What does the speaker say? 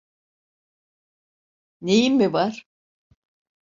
Neyim mi var?